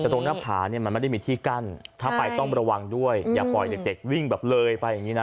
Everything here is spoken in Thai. แต่ตรงหน้าผาเนี่ยมันไม่ได้มีที่กั้นถ้าไปต้องระวังด้วยอย่าปล่อยเด็กวิ่งแบบเลยไปอย่างนี้นะ